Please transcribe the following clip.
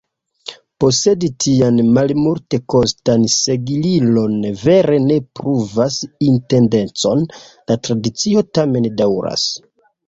Posedi tian malmultekostan sigelilon vere ne pruvas identecon: la tradicio tamen daŭras.